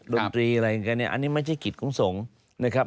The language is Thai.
ดนตรีอะไรกันเนี่ยอันนี้ไม่ใช่กิจของสงฆ์นะครับ